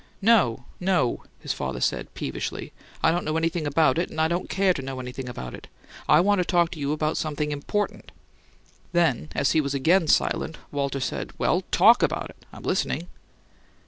"No, no," his father said, peevishly. "I don't know anything about it, and I don't care to know anything about it. I want to talk to you about something important." Then, as he was again silent, Walter said, "Well, TALK about it; I'm listening."